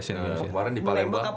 kemarin di palembang